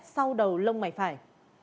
sau đầu lông mày phải